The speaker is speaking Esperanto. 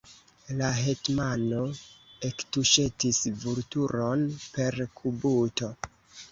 La hetmano ektuŝetis Vulturon per kubuto.